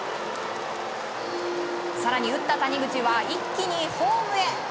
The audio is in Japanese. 更に、打った谷口は一気にホームへ。